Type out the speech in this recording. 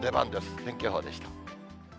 天気予報でした。